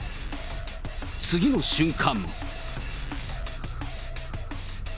次の瞬間。